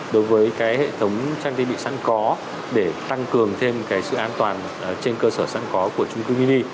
đối với cái hệ thống trang thiết bị sẵn có để tăng cường thêm cái sự an toàn trên cơ sở sẵn có của chung cư mini